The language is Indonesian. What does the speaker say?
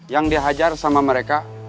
yang dihajar sama mereka